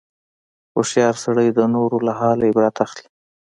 هوښیار سړی د نورو له حاله عبرت اخلي.